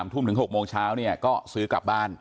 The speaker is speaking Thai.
ทุ่มถึง๖โมงเช้าเนี่ยก็ซื้อกลับบ้าน